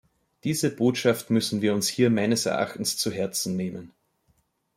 Diese Botschaft müssen wir uns hier meines Erachtens zu Herzen nehmen.